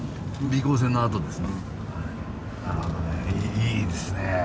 いいですね。